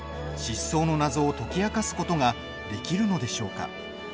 失踪の謎を解き明かすことができるのでしょうか。